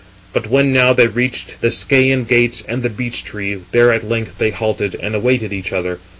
But when now they reached the Scæan gates and the beech tree, there at length they halted, and awaited each other.